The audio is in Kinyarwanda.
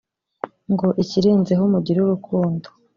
… ngo ikirenzeho mugire urukundo